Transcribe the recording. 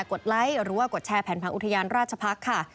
ดไลค์หรือว่ากดแชร์แผนผังอุทยานราชพักษ์ค่ะ